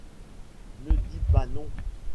ne dis pas non